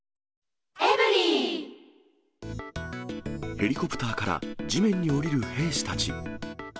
ヘリコプターから地面に降りる兵士たち。